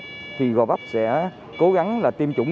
đã đ milkdemo phát sogar ra estudi whit